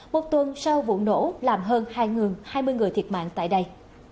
một tuần sau vụ nổ làm hơn hai mươi người thiệt mạng tại đây